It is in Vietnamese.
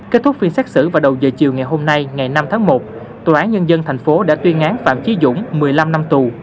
kết thúc phiên xét xử vào đầu giờ chiều ngày hôm nay ngày năm tháng một tòa án nhân dân tp đã tuyên án phạm trí dũng một mươi năm năm tù